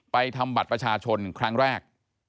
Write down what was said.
ทำบัตรประชาชนครั้งแรก